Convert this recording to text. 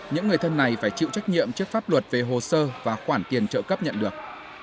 những người thân này phải chịu trách nhiệm trước pháp luật về hồ sơ và khoản tiền trợ cấp nhận được